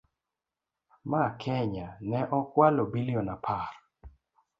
Ma Kenya ne okwalo billion apar.